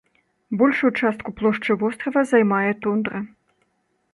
Большую частку плошчы вострава займае тундра.